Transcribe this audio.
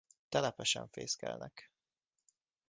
Telepesen fészkelnek.